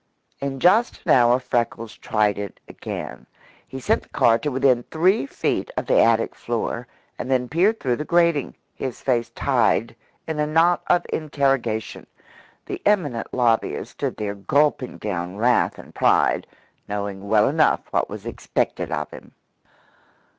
In just an hour Freckles tried it again. He sent the car to within three feet of the attic floor, and then peered through the grating, his face tied in a knot of interrogation. The eminent lobbyist stood there gulping down wrath and pride, knowing well enough what was expected of him.